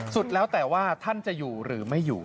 สุดแล้วแต่ว่าท่านจะอยู่หรือไม่อยู่